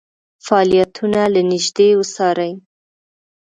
فعالیتونه له نیژدې وڅاري.